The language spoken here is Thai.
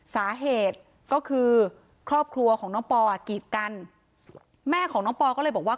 สาเหตุก็คือครอบครัวของน้องปออ่ะกีดกันแม่ของน้องปอก็เลยบอกว่า